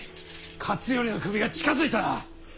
勝頼の首が近づいたな！